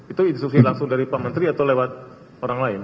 itu instruksi langsung dari pak menteri atau lewat orang lain